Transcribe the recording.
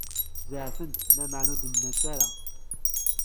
Zeɛfet, lameɛna ur dennbet ara.